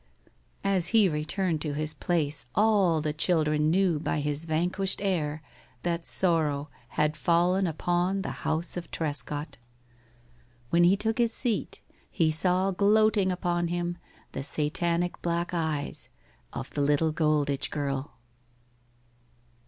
As he returned to his place all the children knew by his vanquished air that sorrow had fallen upon the house of Trescott. When he took his seat he saw gloating upon him the satanic black eyes of the little Goldege girl.